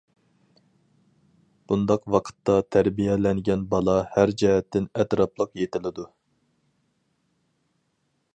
بۇنداق ۋاقىتتا تەربىيەلەنگەن بالا ھەر جەھەتتىن ئەتراپلىق يېتىلىدۇ.